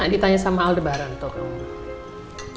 ditanya sama aldebaran tuh